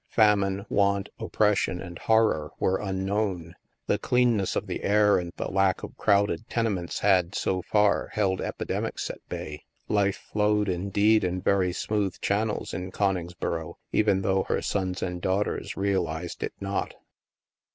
Famine, want, oppression, and horror were unknown. The cleanness of the air and the lack of crowded tenements had, so far, held epidemics at bay. Life flowed, indeed, in very smooth channels in Coningsboro, even though her sons and daughters realized it not.